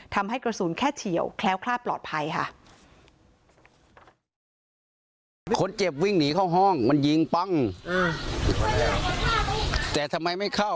ทำให้กระสุนแค่เฉียวแคล้วคลาดปลอดภัยค่ะ